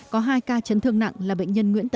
có hai ca chấn thương nặng là bệnh nhân nguyễn tấn